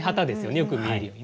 よく見えるようにね。